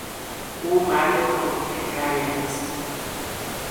او مرد کوه پیکری است.